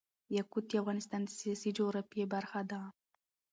یاقوت د افغانستان د سیاسي جغرافیه برخه ده.